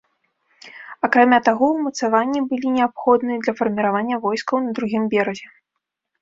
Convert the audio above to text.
Акрамя таго, умацаванні былі неабходны для фарміравання войскаў на другім беразе.